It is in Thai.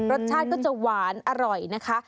รสชาติก็จะหวานอร่อยนะคะ